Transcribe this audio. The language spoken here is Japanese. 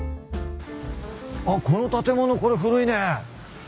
あっこの建物これ古いね。